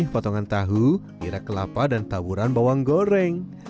potongan tahu kira kelapa dan taburan bawang goreng